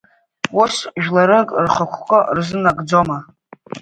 Ус жәларык рхықәкы рзынагӡома?!